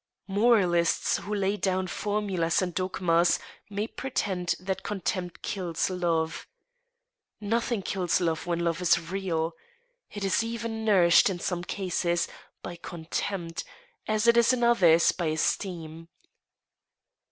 Moralists who lay down formulas and dogmas may pretend that contempt kills love. Nothing kills love when love is real. It is even nourished, in some cases, by contempt, as it is in others by esteem.